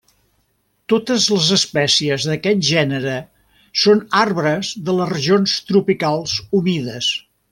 Totes les espècies d'aquest gènere són arbres de les regions tropicals humides.